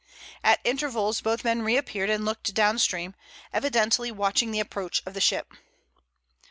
At intervals both men reappeared and looked down stream, evidently watching the approach of the ship.